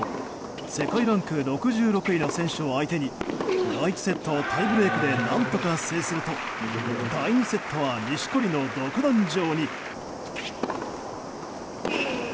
世界ランク６６位の選手を相手に第１セットをタイブレークで何とか制すると第２セットは錦織の独壇場に。